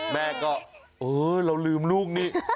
แม่ก็เออเราลืมลูกนี่